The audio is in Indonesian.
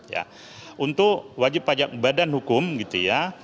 ya untuk wajib pajak badan hukum gitu ya